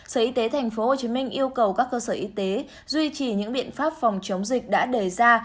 sở y tế tp hcm yêu cầu các cơ sở y tế duy trì những biện pháp phòng chống dịch đã đề ra